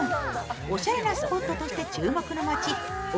おしゃれなスポットとして注目の街奥